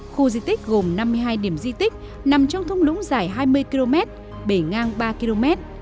khu di tích gồm năm mươi hai điểm di tích nằm trong thung lũng dài hai mươi km bể ngang ba km